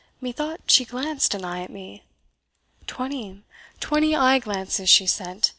methought she glanced an eye at me." "Twenty twenty eye glances she sent!